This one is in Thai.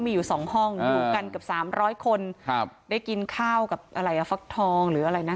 มีอยู่สองห้องอยู่กันเกือบสามร้อยคนครับได้กินข้าวกับอะไรอ่ะฟักทองหรืออะไรนะ